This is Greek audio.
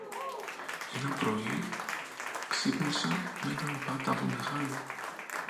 Ένα πρωί, ξύπνησα μ' έναν πάταγο μεγάλο